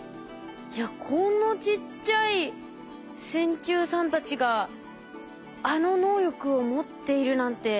いやこんなちっちゃい線虫さんたちがあの能力を持っているなんてすごいな。